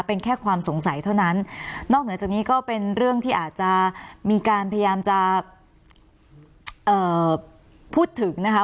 เป็นแค่ความสงสัยเท่านั้นนอกเหนือจากนี้ก็เป็นเรื่องที่อาจจะมีการพยายามจะเอ่อพูดถึงนะคะ